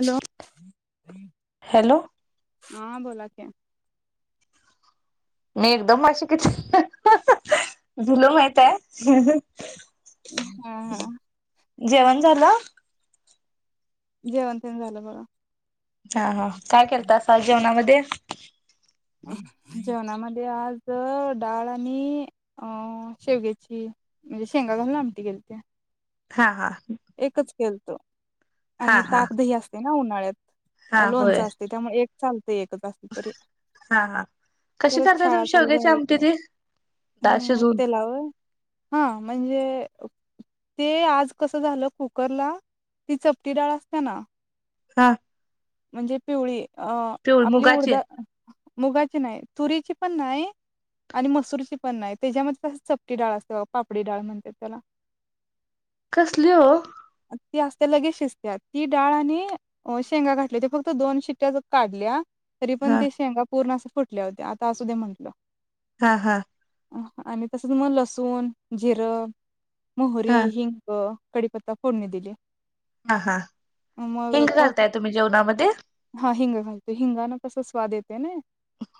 Hello hello हा बोला की. मी एकदम अशी किती भुल माहितय? हा हा. जेवण झालं. जेवण तेण झालं बघा. हा हा काय केलत अस जेवणामध्ये ते जेवणामध्ये आज डाळ आणि अं शेवग्याची म्हणजे शेंगा घालून आंमटी केलत्या. हा हा. एकच केलतो. हा आणि हा ताकदही असते. उन्हाळ्यात. हा लोनच होय असते त्यामुळे एक चांल ते एकच असलं तरी हा हा कशी परत करताय शाळा तुम्ही चालू शेवग्याची झाल्या आमटी की, ती डाळ हं शिजवून त्यालावय, हा म्हणजे ते आज कस झालं कुकरला ती चपटी डाळ असते ना हा. म्हणजे पिवळी अ पिवळी आपली मुगाची उडदा मुगाचे नाहीत तुरीची पण नाही आणि मसूरची पण नाही त्याच्यामध्ये कस चपटी डाळ असते पापडी डाळ म्हणते त्याला कसली हो? ती असते लगेच शिजत्या ती डाळ आणि शेंगा घातल्या ते फक्त दोन शिट्ट्या ज काढल्या तरी पण हा ते शेंगा पूर्ण अस फुटल्या होते आता असू दे म्हटलं. हा हा. आणि तसंच मग लसूण जिरं हा मोहरी हिंगं मो कडीपत फोडणी दिलीये. हा हा मग हिंग तस घालताय तुम्ही जेवणामध्ये हा हिंग घालतो हिंगान तसा स्वाद येत- त्याने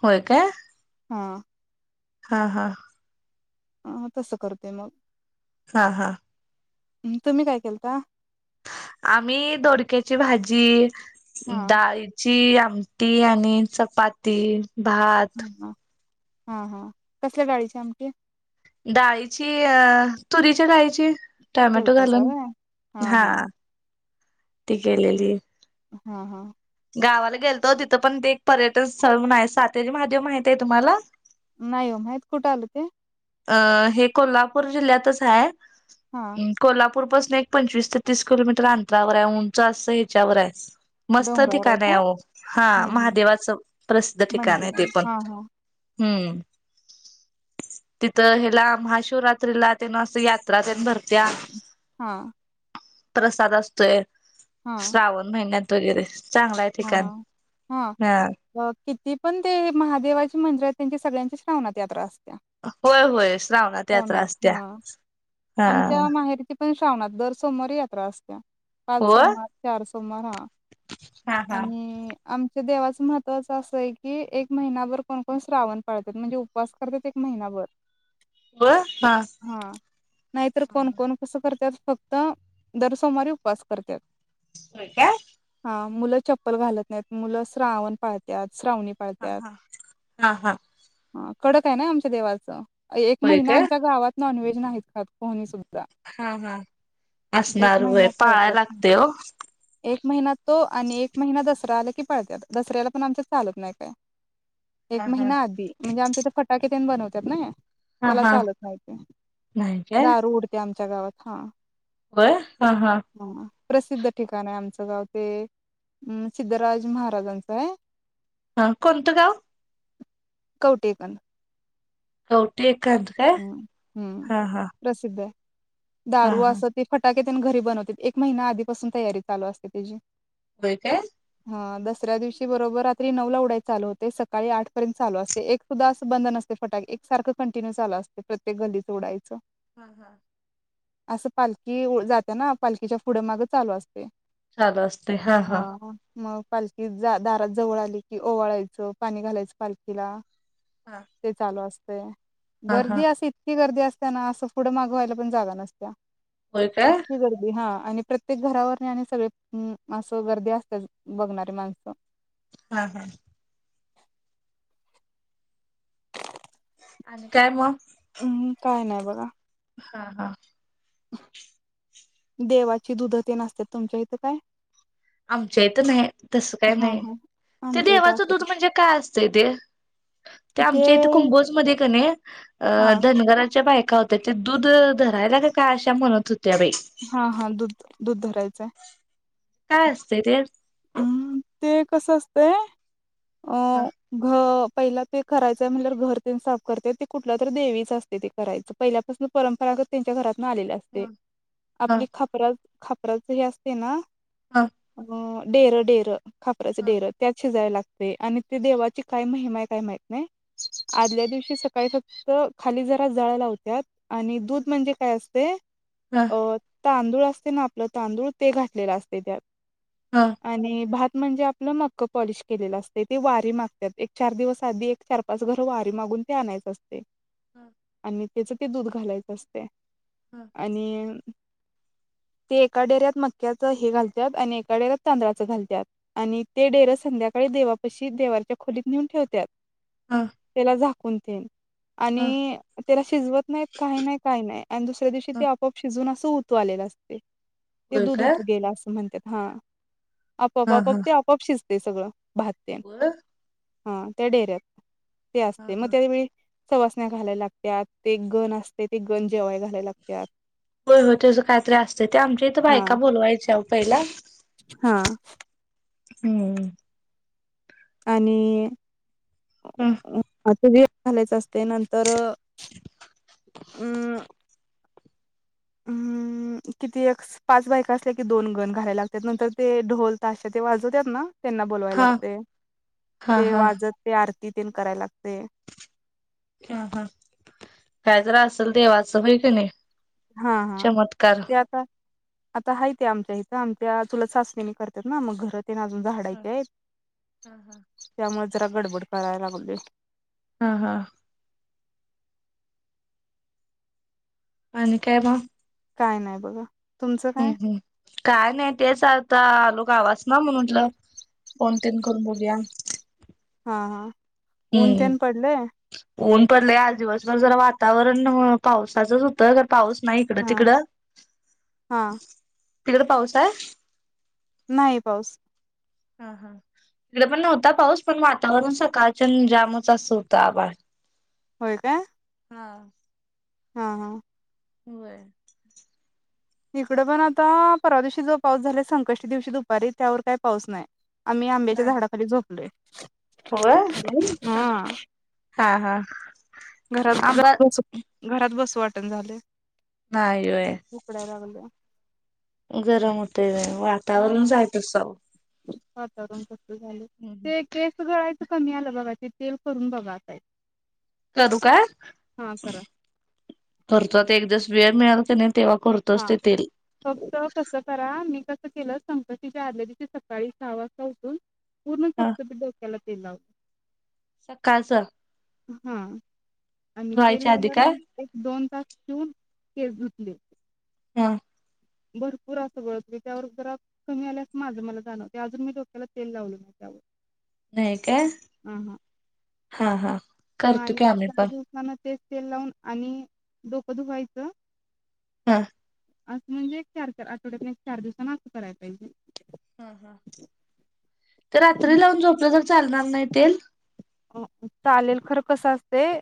होय काय हां हा हा हा तसं करते मग हा हा हम् तुम्ही काय केलता आम्ही दोडक्याची भाजी हा डाळीची आम मटी आणि चपाती भात हा हा हा हा कसल्या डाळीची आमटी डाळीची अ तुरीच्या डाळीची टोमॅटो केलतासा घालून व्हय हा ती केलेली हा हा गावाला गेलतो तिथं पण ते एक पर्यटन स्थळ आहे सातेज महादेव माहित आहे तुम्हाला नाही हो माहित कुठं आल ते अ हे कोल्हापूर जिल्ह्यातच आहे हा हम्म कोल्हापूर पूरपासून एक पंचवीस ते तीस किलोमीटर अंतरावर आहे उंच असं ह्याच्यावर आहे मस्त डोंगरावर ठिकाण आहे काय? हो हा हम्म हम्म महादेवाचं प्रसिद्ध ठिकाण मंदिर आहे ते पण हा हा. हम्म तिथं हीला महाशिवरात्रीला त्यान अस यात्रा तेन भरत्या हा प्रसाद असतोय हा श्रावण महिन्यात वगैरे चांगला आहे हा ठिकाण हा हा किती पण ते महादेवाची मंदिर त्यांची सळ्यांची श्रावणात यात्रा असते होय होय श्रावणात यात्रा असत्या हा आमच्या माहेरची पण श्रावणात दर सोमवारी यात्रा असत पाच हो सोमवार चार सोमवार हा हा हा आणि आमच्या देवाचं महत्त्वाचं असं आहे की एक महिनाभर कोण कोण श्रावण पाळतात म्हणजे उपवास करतात एक महिनाभर. हा नाहीतर कोण कोण कसं करतात. फक्त दर सोमवारीे उपवास करतात. होय काय? हा मुलं चप्पल घालत नाहीत, मुलं श्रावण पाळत्यात. श्रावणी पाळत्यात हा-हा हा-हा. हा कडक आहे ना आमच्या देवाचं. अ एक महिना काय आमच्या गावात नॉनव्हेज नाहीत खात कोणी सुद हां हां एक असणार, होय महिना पाळाय पाळत्यात लागतंय ओ. एक महिना तो आणि एक महिना दसरा आला की पाळत्यात. दसऱ्याला पण आमच्यात चालत नाही काय. एक हा हा महिना आधी, म्हणजे आमच्या इथं फटाके तेन बनवत्यात ना. हा त्याला हा चालत नाही ते. नाही काय दारू उडत्या आम च्या गावात हां. होय हा हा हं प्रसिद्ध ठिकाण आहे आमचं. [unintelligible] ते अं सिद्धराज महाराजांचं आहे. हां कोणतं गाव? कवठे एकंद. कवठे हम्म हम्म प्रसिद्ध आहे. हा दारू हा असं ते फटाक ते पण घरी बनवतेत. एक महिना आधीपासून तयारी चालू असते त्याजी. होय काय? हां दसऱ्या दिवशी बरोबर रात्री नऊला उडाय चालू होतंय. सकाळी आठपर्यंत चालू असतंय. एक सुद्धा असं बंद नसतंय फटाके, एक सारखं कंटिन्युस चालू असतंय प्रत्येक गल्लीत उडायचं. हां हां. असं पालखी उ जात्या ना, पालखीच्या पुढं मागं चालू असतंय. चालू असतंय हां हां. मग पालखी जा दारात जवळ आली की ओवाळायचं, पाणी घालायचं पालखीला. हा ते चालू अस तेे हा हा गर्दी असं इतकी गर्दी असं त्यांना, असं पुढं माग व्हायला पण जागा नसत्या. होय काय इतकी गर्दी हां. आणि प्रत्येक घरावरनी आणि सगळी अं असं गर्दी असत्यात बघणारी माणसं. हां हां. आणि काय मग? अं काय नाय बघा. हां हां. देवाची दुध ते नसत तुमच्या इथे काय आमच्या इथं नाही तसं काय हा नाही हा. ते आमच्या इथं देवाचं दूध असतात. म्हणजे काय असतंय तेे ते आमच्या इथे कुंभोज मध्ये कने हा अ धनगराच्या.... [unintelligible] हा हा दूध दूध धरायचंय... काय असतय ते? हम्म ते कसं असतंय. अ ह घ पहिला ते करायचं म्हटल्यावर घर तेन साफ करत्यात ते कुठल्या तरी देवीच असते ते करायचं पहिल्यापासून परंपरागत त्यांच्या घरात. ह ह [unintelligible] खापराच हे असते ना. ह [unintelligible] डेर डेर खापचचे डेर त्यात शिजायला. ते आणि ते देवाची काय महिमा आहे काय माहित नाही. ह आदल्या दिवशी.... काही फक्त खाली जरा जाळ लावत्यात. आणि दूध म्हणजे काय असत. ते ह अ तांदूळ असते ना आपलं तांदूळ ते घातलेलं असतय त्यात. [inaudible] आणि भात म्हणजे आपलं मक्क पॉलिश केलेलं असते ते वारी मागतात एक चार दिवस आधी एक चार पाच घर वारी मागून ते आणायचं असतय. [inaudible] आणि त्याच ते दूध घालायचं असतय. आणि ते एका डेऱ्यात मक्याच हे घालतात आणि एका डेऱ्यात. तांदळाच घालत्यात आणि ते डेरं संध्याकाळी देवापशी देवाच्या खोलीत नेऊन ठेवतात. ह त्याला.... कोणते ह आणि त्याला शिजवत नाहीत काही नाही काही नाही आणि दुसऱ्या दिवशी ते ह आपआप शिजत. च उतू आलेल असतय. ते होय दूध काय उतू गेल असं म्हणत्यात. हा. आपोआप हा आपोआप हा ते आपाप शिज ते सगळं भात तेन होय. हा त्या डेऱ्यात ते असते, म त्याळवेळी सवासण्या घालाय लागत्यात्, ते एक गण असते, ते गण जेवाय घालाय लागत्यात. होय होय तेज कायतरी असतय, ते आमच्या इथं हा बायका बोलवायच्या ओ पयला हा. हम्म. आणि अह. अ ते वेत घालायचं असते नंतर उअ. उ किती एक्स पाच बायका असल्या कि दोन गण घालाय लागत्यात, नंतर ते ढोल ताश्या ते वाजवत्यात ना त्यांना बोलवाय हा लागतय, हा ते वाजत ते आर ति तिन कराय लागतय. ह हा काय जरा असल देवाचं व्हय कणी हा हा ते आता आता हाय ते आमच्या इथं, आमच्या चुलत सासरेनि करत्यात ना मग घर तेन अजून झाडायचेयेत त्यामुळ जरा गडबड कराय लागलोय. हा हा. आणि काय म? काय नाय बघा तुमचं हम् काय हम्म, काय नई तेच आता आल लो गावासन म म्हटलं फोन तेन करून बघूया. हा हा. ऊन तेन पडलंय हम्म ऊन पडलय, आज दिवसभर जरा वातावरण ह पावसाचंच हुत ख पाऊस नाही हिकडं, हा तिकडं? हा तिकड पाऊस आय? नाही पाऊस हा हा इकड पण नव्हता पाऊस, पण वातावरण सकाळच्यान जामच असं हुतं, आभाळ होय काय? हा. हा हा. होय. इकडे पण आता परवा दिवशी जो पाऊस झाला संकष्टी दिवशी दुपारी त्यावर काय पाऊस नाही. आम्ही आंबच्या नाही झाडा खाली झोप [inaudible] होय. हा हा. घरात आंबा जाऊन उचल घरात बसू वाटण झालंय. नाही व्हयं. उकडाय लागलंय गरम होतेय. होय. हा वातावरणच हाय तसं. वातावरण तसं हम्म हम्म. ते केस गळायचं ते कमी आलं बघा. ते तेल करून बघा ताई. करू काय? करतो आता एक दिवस वेळ मिळाल काय कणी तेव्हा? हा. करतोच ते तेल फक्त कसं करा मी कसं मी कसं केलं संकष्टी च्या आदल्या दिवशी सकाळी सहा वाजता उठून. पूर्ण चपचपीत डोक्याला तेल लावं. सकाळच. अहं. आणि तेल लावल्यावर काय मग एक दोन, तास ठेऊन केस धुतले. हा. भरपूर असं गळत होतं त्यावर जरा कमी आल्यास माझं मला जाणवतय, अजून मी डोक्याला तेल लावलो नाही त्यावर. नाही काय? हा हा. मअ करतो आणि की आम्ही चार पण दिवसांन तेच तेल लावून आणि डोकं धुवायचं? हा. असं म्हणजे एक चार, चार आठवड्यातन एक चार दिवसान आंघोळ कराय पाहिजे. हं हं क रात्री मग लावून झोपलं तर चा चालणार नाही तेल? अ चालेल खरं कसं असतंय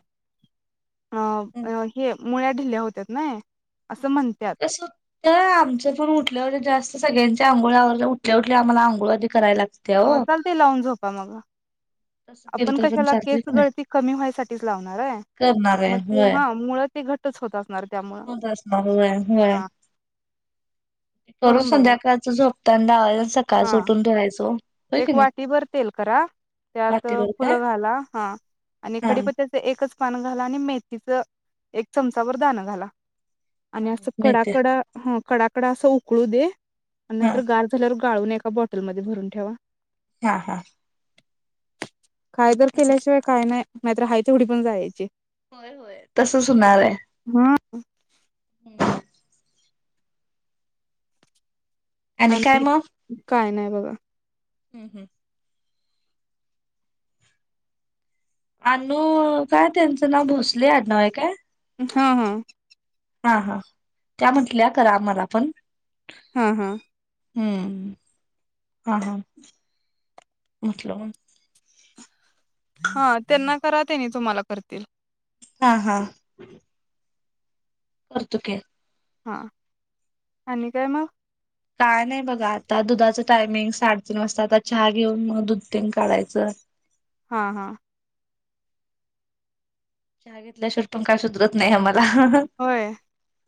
अ अ हे. मुळ्या ढिल्या होत्यात ने. कसं होत आमचं पण उठल्या उठल्या जास्त सगळ्यांच्या आंघोळ आंवरल्यावर ऊठल्या ऊठल्या आम्हाला आंघोळ आधी कराय लाग अ चालतंय, लाऊन झोपा मग तसं केलं आपण तर पण कशाला चालतंय केस की नाही गळती कमी व्हायसाठीच लावणार आहे, करणार आहे मग ते होय मूळ घट्ट तस होत असणार [inaudible] त्यामुळं करून हां करून बघा संध्याकाळच झोपता दहा वाज सकाळच हां. उठून धुवायच ओ होय की एक नाही वाटीभर तेल करा, त्यात वाटीवर काय फुलं घाला, हा आणि हा कडीपत्याच एक एकच पान घाला, आणि मेथीच एक चमचा भर दाणा घाला. आणि असं मिळते कडाकडा ह कडाकडा असं उकळू दे मन हा नंतर गार झाल्या गाळून एका बॉटलमध्येध भरून ठेवा. हा हा कायदल तसंच केल्याशिवाय काय नाही नाहीतर हाय तेवढी पण जायची होय होय तसच होणार आहे. काय आणि मग? काय नाही बगा हम्म हम्म अनू काय त्यांचं नाव भोसले आडनाव आहे काय? हा हा हा हा त्या म्हटल्या, करा आम्हाला पण हा हा हम्म हा हा मतलब हा त्यांना करा, तेनी तुम्हाला करतील. हा हा करतो की, हा आणि काय मग? काय नाही बघा आता दुधाच टायमिंग साडेतीन वाजता, आता चहा घेऊन मग दूध तेन काढायचं हा हा चहा घेतल्याशिवट पण काय सुधरत नाही आम्हाला होय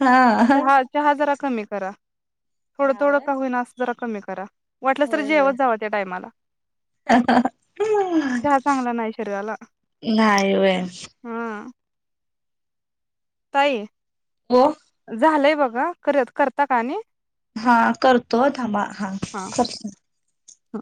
हा. चहा चहा जरा कमी करा थोडं चहा -थोडं होय का होईना अस जरा कमी करा. वाटलंस तर होय होय. जेवत जावं त्या टायमाला चहा चांगला नाही शरीराला नाही होय. हा ताई हो झालंय बघ. करुयात, करता का आणि? हा करतो हं थांबा हा करतो ह